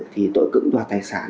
thì tội cưỡng đoạt tài sản